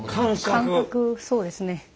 感覚そうですね。